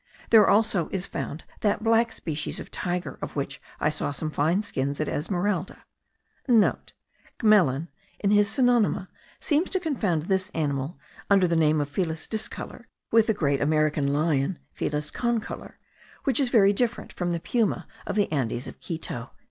There also is found that black species of tiger* of which I saw some fine skins at Esmeralda. (* Gmelin, in his Synonyma, seems to confound this animal, under the name of Felis discolor, with the great American lion (Felis concolor) which is very different from the puma of the Andes of Quito.)